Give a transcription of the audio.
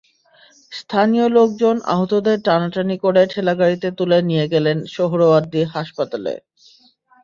স্থানীয় লোকজন আহতদের টানাটানি করে ঠেলাগাড়িতে তুলে নিয়ে গেলেন সোহরাওয়ার্দী হাসপাতালে।